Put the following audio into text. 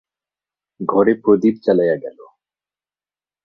ঘরে প্রদীপ জ্বালাইয়া গেল।